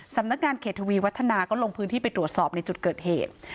สำนักงานเขตทวีวัฒนาก็ลงพื้นที่ไปตรวจสอบในจุดเกิดเหตุ